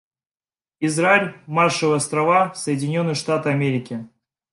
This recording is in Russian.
Израиль, Маршалловы Острова, Соединенные Штаты Америки.